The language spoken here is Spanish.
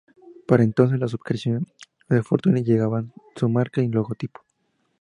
Para entonces, las creaciones de Fortuny ya llevaban su marca y logotipo.